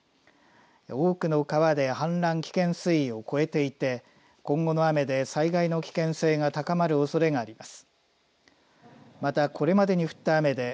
多くの川で氾濫危険水位を超えていて今後の雨で災害の危険性が高まるおそれがあります。